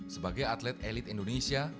sebagai atlet elit indonesia